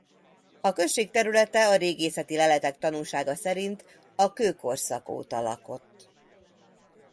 A község területe a régészeti leletek tanúsága szerint a kőkorszak óta lakott.